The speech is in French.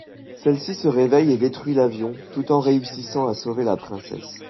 Celle-ci se réveille et détruit l'avion, tout en réussissant à sauver la princesse.